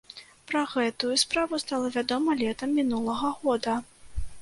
Пра гэтую справу стала вядома летам мінулага года.